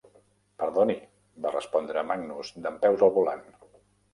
"Perdoni", va respondre Magnus dempeus al volant.